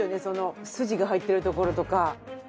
その筋が入ってるところとか。